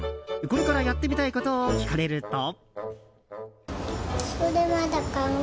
これからやってみたいことを聞かれると。